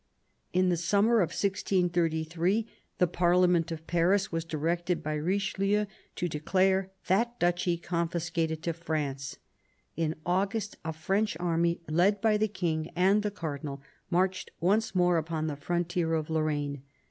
In the summer of 1633 the Parhament of Paris was directed by Richelieu to declare that duchy confiscated to France. In August a French army, led by the King and the Cardinal, marched once more upon the frontier of Lorraine.